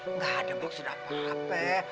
nggak ada maksud apa apa